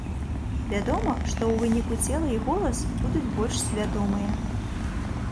Вядома, што ў выніку цела і голас будуць больш свядомыя.